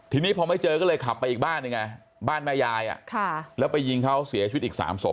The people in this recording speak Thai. ทีนี้พอไม่เจอก็เลยขับไปอีกบ้านหนึ่งไงบ้านแม่ยายแล้วไปยิงเขาเสียชีวิตอีก๓ศพ